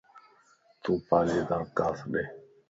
تون پانجي درخواست ڏي